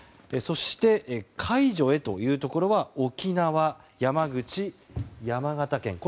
そして、解除へというところは沖縄、山口、山形県。